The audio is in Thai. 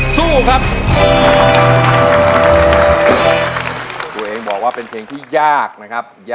สู้ครับ